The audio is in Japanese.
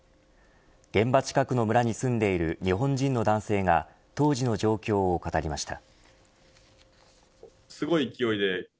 現場近くの村に住んでいる日本人の男性が当時の状況を語りました。